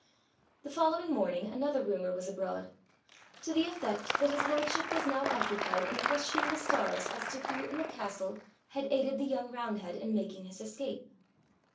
The following morning another rumour was abroad to the effect that his lordship was now occupied in questioning the stars as to who in the castle had aided the young roundhead in making his escape.